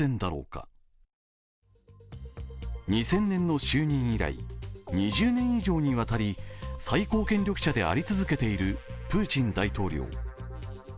２０００年の就任以来２０年以上にわたり最高権力者であり続けているプーチン大統領。